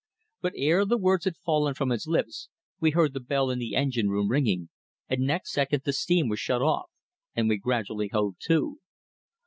But ere the words had fallen from his lips we heard the bell in the engine room ringing, and next second the steam was shut off and we gradually hove to.